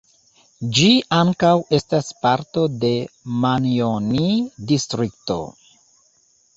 Ĝi ankaŭ estas parto de Manjoni-Distrikto.